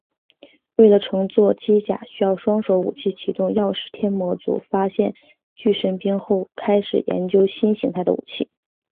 为了乘坐机甲需要双手武器启动钥匙天魔族发现巨神兵后开始研究新形态的武器。